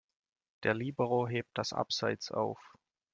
Der Libero hebt das Abseits auf.